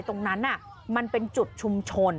ตรงนั้นมันเป็นจุดชุมชน